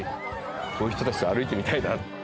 こういう人たちと歩いてみたいな。